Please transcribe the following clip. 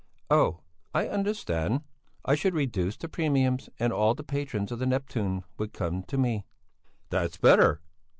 "Oh! I understand! I should reduce the premiums and all the patrons of the 'Neptune' would come to me." "That's better!